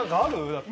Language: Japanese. だって。